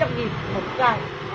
hàng đắt ạ